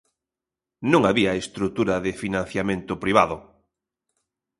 Non había estrutura de financiamento privado.